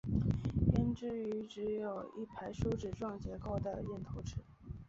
胭脂鱼只有一排梳子状结构的咽头齿。